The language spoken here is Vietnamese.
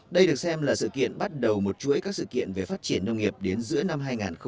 đây được xem là sự kiện bắt đầu một chuỗi các sự kiện về phát triển nông nghiệp đến giữa năm hai nghìn hai mươi